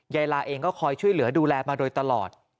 ลาเองก็คอยช่วยเหลือดูแลมาโดยตลอด